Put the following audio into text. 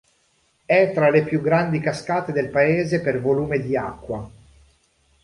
È tra le più grandi cascate del paese per volume di acqua.